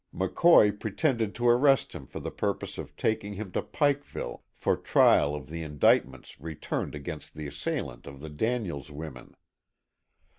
McCoy pretended to arrest him for the purpose of taking him to Pikeville for trial of the indictments returned against the assailant of the Daniels women.